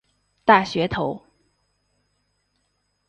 大学头。